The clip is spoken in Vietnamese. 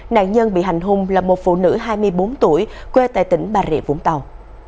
nạn nhân bị hành hung là một phụ nữ hai mươi bốn tuổi quê tại tỉnh bà rịa vũng tàu